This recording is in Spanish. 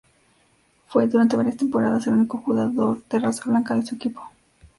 Fue, durante varias temporadas, el único jugador de raza blanca de su equipo.